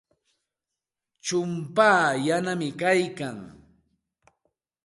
Chumpaa yanami kaykan.